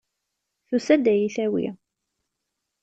Tusa-d ad yi-tawi.